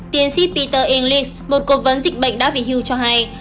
tnc peter engels một cố vấn dịch bệnh đã về hưu cho hay